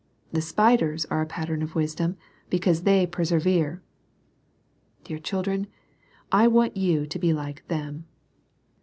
The spiders are a pattern of wisdom, because they persevere. Dear children, I want you to be like them.